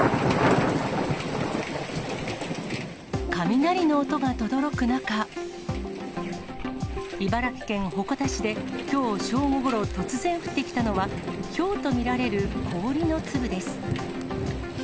雷の音がとどろく中、茨城県鉾田市できょう正午ごろ、突然降ってきたのは、ひょうと見られる氷の粒です。